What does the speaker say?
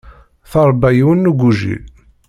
Tṛebba yiwen n ugujil.